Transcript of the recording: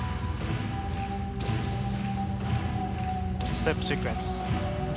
ステップシークエンス。